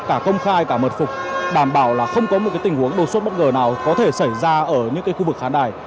cả công khai cả mật phục đảm bảo là không có một tình huống đột xuất bất ngờ nào có thể xảy ra ở những khu vực khán đài